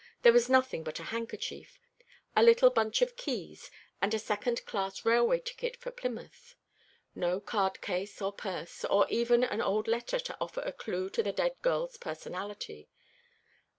There was nothing but a handkerchief, a little bunch of keys, and a second class railway ticket for Plymouth; no card case or purse; not even an old letter to offer a clue to the dead girl's personality.